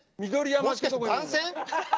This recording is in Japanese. もしかして番宣？